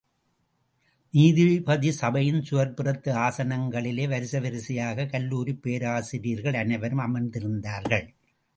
நீதிபதி சபையின், சுவர்ப்புறத்து ஆசனங்களிலே வரிசை வரிசையாகக் கல்லூரிப் பேராசிரியர்கள் அனைவரும் அமர்ந்திருந்தார்கள்.